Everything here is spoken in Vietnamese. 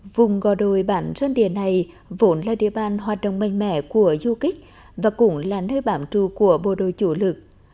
vùng gò đồi bản dân địa này vốn là địa bàn hoạt động mạnh mẽ của du kích và cũng là nơi bản trù của bộ đội chủ lực